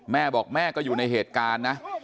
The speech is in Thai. แม่บอกแม่ก็อยู่ในเหตุการณ์นะ